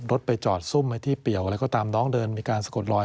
รถไปจอดซุ่มในที่เปลี่ยวอะไรก็ตามน้องเดินมีการสะกดลอย